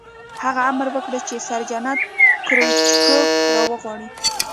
هغه امر وکړ چې سرجنټ کروچکوف را وغواړئ